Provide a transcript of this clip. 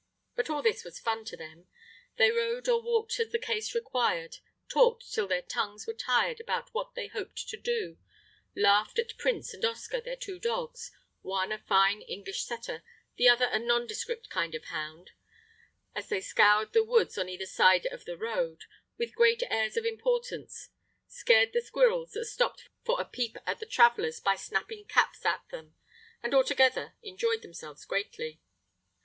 But all this was fun to them. They rode or walked as the case required; talked till their tongues were tired about what they hoped to do; laughed at Prince and Oscar, their two dogs—one a fine English setter, the other a nondescript kind of hound—as they scoured the woods on either side of the road with great airs of importance; scared the squirrels that stopped for a peep at the travellers by snapping caps at them; and altogether enjoyed themselves greatly.